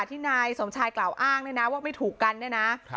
ที่นายสมชายกล่าวอ้างเนี่ยนะว่าไม่ถูกกันเนี่ยนะ